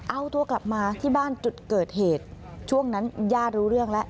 เอาตัวกลับมาที่บ้านจุดเกิดเหตุช่วงนั้นญาติรู้เรื่องแล้ว